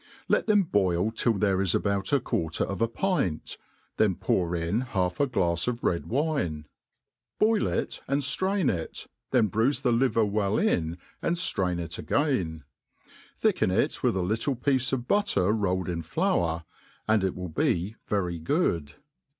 Let them boil till there is about a^ quarter of a pint ; then pour in half a glafs of red wine, boil it and ftrain it, then brulfe the liver well in^ and ftrain it again ; thicken it with a little piece of butter roiU ed in flour, and'it will be very good.